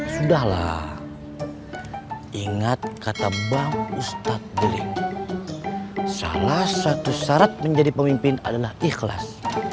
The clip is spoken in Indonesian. sudahlah ingat kata bang ustadz belik salah satu syarat menjadi pemimpin adalah ikhlas